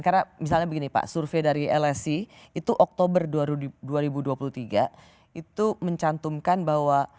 karena misalnya begini pak survei dari lsc itu oktober dua ribu dua puluh tiga itu mencantumkan bahwa